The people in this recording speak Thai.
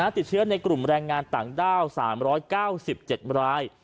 ติดเชื้อในกลุ่มแรงงานต่างด้าว๓๙๗ราย